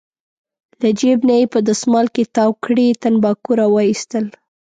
له جېب نه یې په دستمال کې تاو کړي تنباکو راوویستل.